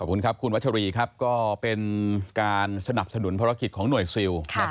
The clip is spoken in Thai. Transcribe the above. ขอบคุณครับคุณวัชรีครับก็เป็นการสนับสนุนภารกิจของหน่วยซิล